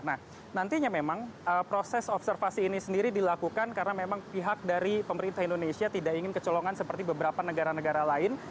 nah nantinya memang proses observasi ini sendiri dilakukan karena memang pihak dari pemerintah indonesia tidak ingin kecolongan seperti beberapa negara negara lain